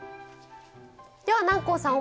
では南光さん